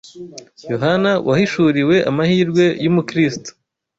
Yohana wahishuriwe amahirwe y’Umukristo